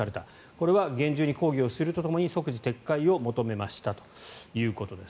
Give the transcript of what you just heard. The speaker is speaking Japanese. これは厳重に抗議するとともに即時撤回を求めましたということです。